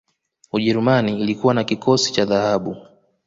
ujerumani ilikuwa na kikosi cha dhahabu